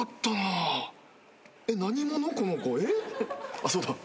あっそうだ。